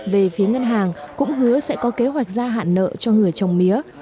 về phía ngân hàng cũng hứa sẽ có kế hoạch gia hạn nợ cho người trồng mía